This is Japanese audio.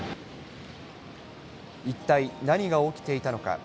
一体何が起きていたのか。